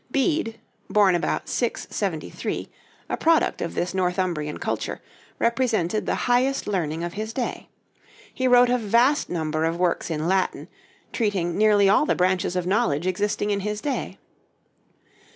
Bede, born about 673, a product of this Northumbrian culture, represented the highest learning of his day. He wrote a vast number of works in Latin, treating nearly all the branches of knowledge existing in his day.